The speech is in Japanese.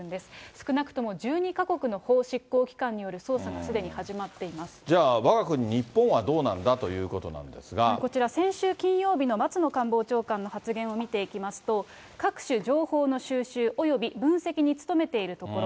少なくとも１２か国の法執行機関による捜査がすでに始まっていまじゃあ、わが国日本はどうなこちら、先週金曜日の松野官房長官の発言を見ていきますと、各種情報の収集、および分析に努めているところ。